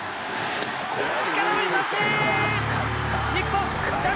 空振り三振！